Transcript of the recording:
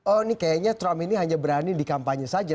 oh ini kayaknya trump ini hanya berani di kampanye saja